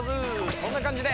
そんな感じで。